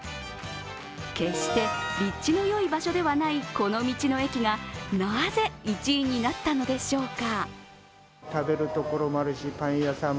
決して、立地のよい場所ではないこの道の駅がなぜ、１位になったのでしょうか。